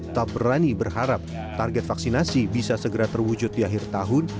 tak berani berharap target vaksinasi bisa segera terwujud di akhir tahun